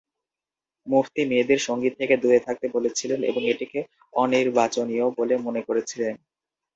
মুফতি মেয়েদের সঙ্গীত থেকে দূরে থাকতে বলেছিলেন এবং এটিকে অনির্বাচনীয় বলে মনে করেছিলেন।